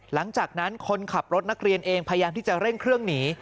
หลังจากนั้นคนขับรถนักเรียนเองพยายามที่จะเร่งเครื่องหนี